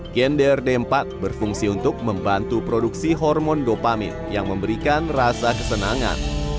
gender d empat berfungsi untuk membantu produksi hormon dopamin yang memberikan rasa kesenangan